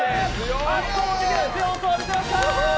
圧倒的な強さを見せました！